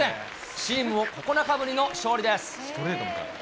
チームも９日ぶりの勝利です。